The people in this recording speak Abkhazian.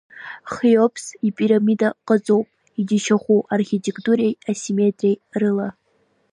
Хеопс ипирамида ҟаҵоуп иџьашьахәу архитектуреи асимметриеи рыла.